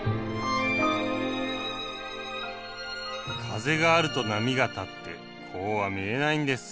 風があると波が立ってこうは見えないんです。